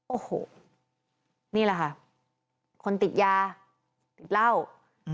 โอ้โหนี่แหละค่ะคนติดยาติดเหล้าอืม